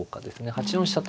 ８四飛車と。